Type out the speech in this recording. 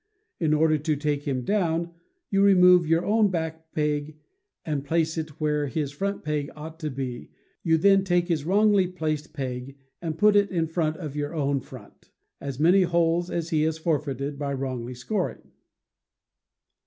In order "to take him down,'' you remove your own back peg and place it where his front peg ought to be, you then take his wrongly placed peg and put it in front of your own front, as many holes as he has forfeited by wrongly scoring.